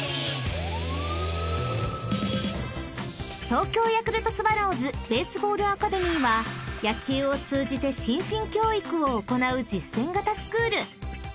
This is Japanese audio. ［東京ヤクルトスワローズベースボールアカデミーは野球を通じて心身教育を行う実践型スクール］